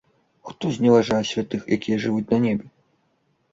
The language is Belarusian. Хто зневажае святых, якія жывуць на небе?